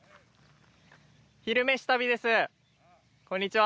「昼めし旅」ですこんにちは。